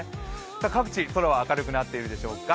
各地、空は明るくなっているでしょうか。